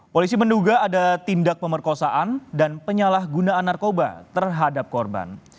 polisi menduga ada tindak pemerkosaan dan penyalahgunaan narkoba terhadap korban